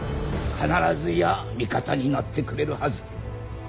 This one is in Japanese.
必ずや味方になってくれるはず。